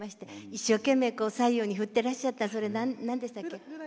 一生懸命左右に振ってらっしゃったそれ、なんでしたっけ？